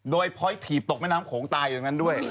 โดยพอยถีบตกแม่น้ำโขงตายอยู่ตรงนั้นด้วย